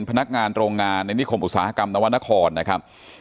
พนักงานโรงงานในนิคมอุตสาหกรรมนวรรณครนะครับ